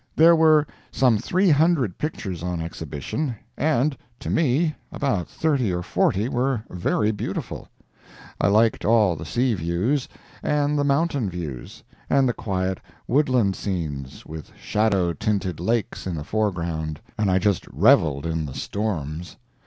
There were some three hundred pictures on exhibition, and, to me, about thirty or forty were very beautiful. I liked all the sea views, and the mountain views, and the quiet woodland scenes, with shadow tinted lakes in the foreground, and I just revelled in the storms.